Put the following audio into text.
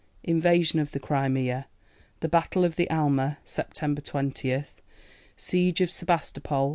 Invasion of the Crimea. The Battle of the Alma (Sept. 20). Siege of Sebastopol.